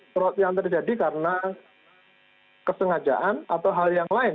fraud yang terjadi karena kesengajaan atau hal yang lain